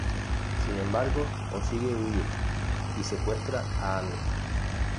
Sin embargo consigue huir y secuestra a Amy.